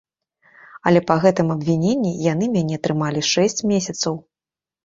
Але па гэтым абвіненні яны мяне трымалі шэсць месяцаў.